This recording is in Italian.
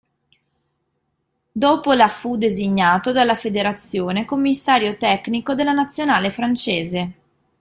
Dopo la fu designato dalla Federazione commissario tecnico della Nazionale francese.